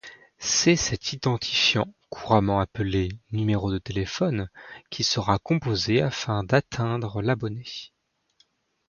C'est cet identifiant, couramment appelé numéro de téléphone, qui sera composé afin d'atteindre l'abonné.